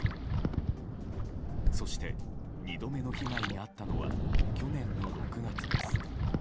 そして、２度目の被害に遭ったのは去年の６月です。